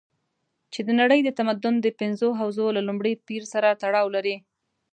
چې د نړۍ د تمدن د پنځو حوزو له لومړي پېر سره تړاو لري.